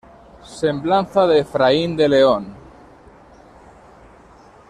Semblanza de Efraín de León.